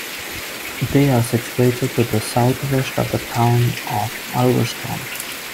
They are situated to the south-west of the town of Ulverston.